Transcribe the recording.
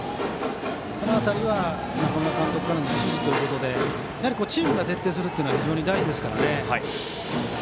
この辺りは、中村監督からの指示ということで、やはりチームが徹底するというのは非常に大事ですからね。